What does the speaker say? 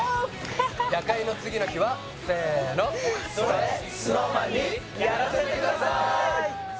「夜会」の次の日はせーの「それＳｎｏｗＭａｎにやらせて下さい」